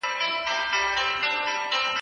وروسته ځانګړي جوړښتونه بدلېږي.